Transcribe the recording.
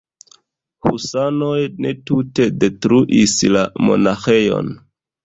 Husanoj ne tute detruis la monaĥejon.